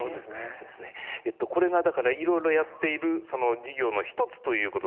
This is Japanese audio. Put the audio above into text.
これがだからいろいろやっているその事業の一つということでした。